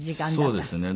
そうですね。